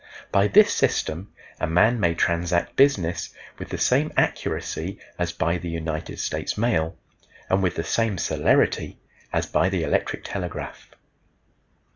By this system a man may transact business with the same accuracy as by the United States mail, and with the same celerity as by the electric telegraph.